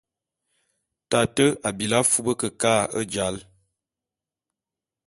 Tate a bilí afub kekâ e jāl.